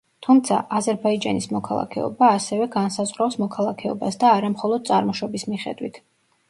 თუმცა, აზერბაიჯანის მოქალაქეობა ასევე განსაზღვრავს მოქალაქეობას და არა მხოლოდ წარმოშობის მიხედვით.